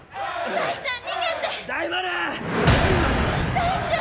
大ちゃん